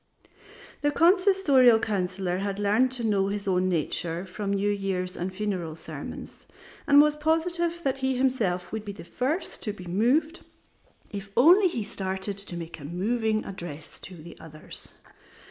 The Consistorial Councillor had learned to know his own nature from New Year's and funeral sermons, and was positive that he himself would be the first to be moved if only he started to make a moving address to others.